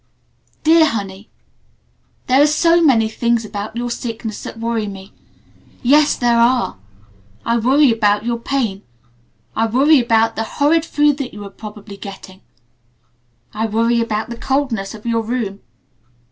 "DEAR HONEY: "There are so many things about your sickness that worry me. Yes there are! I worry about your pain. I worry about the horrid food that you're probably getting. I worry about the coldness of your room.